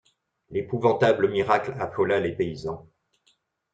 L'épouvantable miracle affola les paysans.